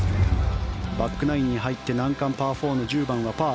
バックナインに入って難関パー４の１０番はパー。